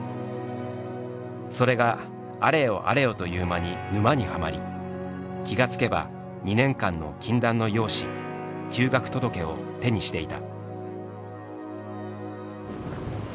それがあれよあれよという間に沼にはまり気が付けば２年間の禁断の用紙休学届を手にしていた」。